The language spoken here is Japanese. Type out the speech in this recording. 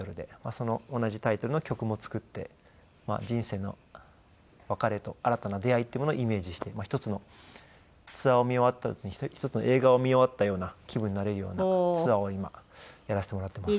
その同じタイトルの曲も作って人生の別れと新たな出会いっていうものをイメージして一つのツアーを見終わったあとに一つの映画を見終わったような気分になれるようなツアーを今やらせてもらっています。